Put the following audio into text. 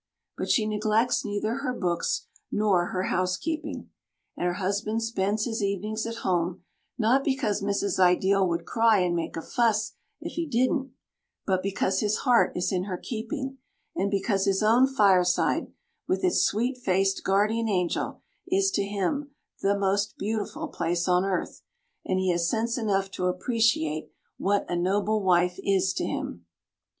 But she neglects neither her books nor her housekeeping, and her husband spends his evenings at home, not because Mrs. Ideal would cry and make a fuss if he didn't, but because his heart is in her keeping, and because his own fireside, with its sweet faced guardian angel, is to him the most beautiful place on earth, and he has sense enough to appreciate what a noble wife is to him.